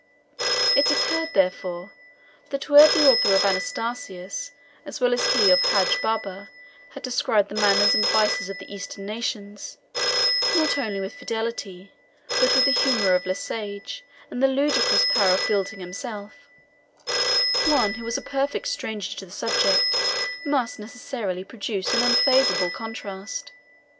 It occurred, therefore, that where the author of Anastasius, as well as he of Hadji Baba, had described the manners and vices of the Eastern nations, not only with fidelity, but with the humour of Le Sage and the ludicrous power of Fielding himself, one who was a perfect stranger to the subject must necessarily produce an unfavourable contrast.